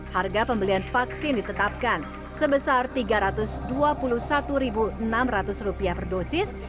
harga pembelian vaksin ditetapkan sebesar rp tiga ratus dua puluh satu enam ratus per dosis